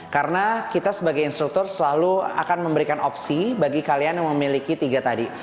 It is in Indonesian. karena kita sebagai instruktur selalu akan memberikan opsi bagi kalian yang memiliki tiga tadi